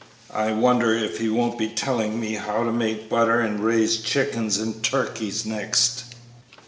I wonder if he won't be telling me how to make butter and raise chickens and turkeys next!"